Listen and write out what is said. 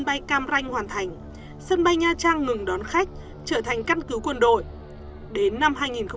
bay cam ranh hoàn thành sân bay nha trang ngừng đón khách trở thành căn cứ quân đội đến năm hai nghìn hai mươi